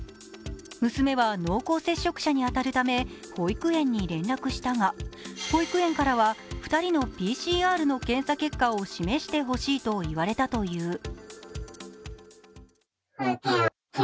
娘は濃厚接触者に当たるため保育園に連絡したが保育園からは、２人のＰＣＲの検査結果を示してほしいと言われたという。